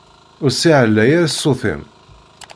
Ur ssiɛlay ara ssut-im!